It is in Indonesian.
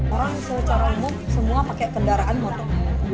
orang secara umum semua pakai kendaraan motor